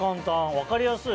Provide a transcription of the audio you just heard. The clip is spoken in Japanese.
分かりやすい。